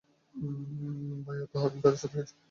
ভাইয়া তো হাবিলদারের সাথে গেছে।